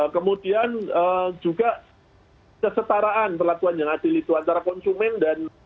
kemudian juga kesetaraan perlakuan yang adil itu antara konsumen dan